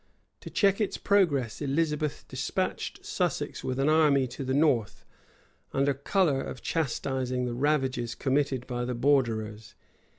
To check its progress, Elizabeth despatched Sussex with an army to the north, under color of chastising the ravages committed by the borderers.